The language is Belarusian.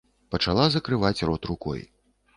Пачала закрываць рот рукой.